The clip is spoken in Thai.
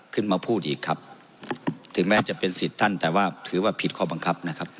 ขึ้นมาพูดอีกครับถึงแม้จะเป็นสิทธิ์ท่านแต่ว่าถือว่าผิดข้อบังคับนะครับ